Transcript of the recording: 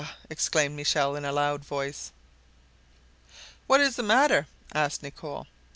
exclaimed Michel, in a load voice. "What is the matter," asked Nicholl.